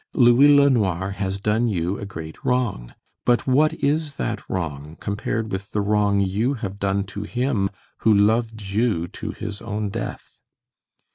Louis LeNoir has done you a great wrong, but what is that wrong compared with the wrong you have done to Him who loved you to His own death?"